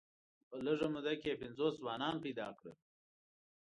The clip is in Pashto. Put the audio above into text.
په لږه موده کې یې پنځوس ځوانان پیدا کړل.